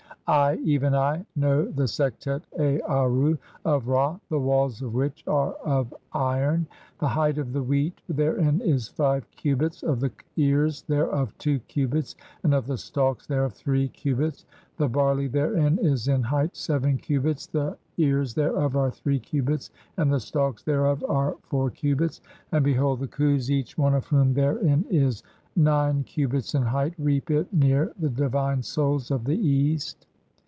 "I, even I, know the Sektet Aarru of (7) Ra, the walls of which "are of iron. The height of the wheat therein is five cubits, of "the ears thereof two cubits, and of the stalks thereof three "cubits. (8) The barley therein is [in height] seven cubits, the "ears thereof are three cubits, and the stalks thereof are four "cubits. And behold, the Khus, each one of whom therein is "nine cubits in height, (9) reap it near the divine Souls of the "East.